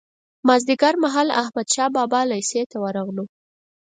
مازیګر مهال احمدشاه بابا لېسې ته ورغلو.